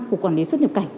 của quản lý xuất nhập cảnh